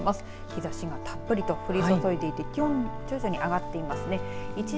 日ざしもたっぷりと降り注いでいて気温も徐々に上がっていますね。